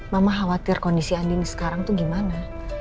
mama khawatir kondisi andin sekarang tuh gimana